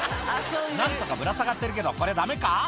何とかぶら下がってるけどこりゃダメか？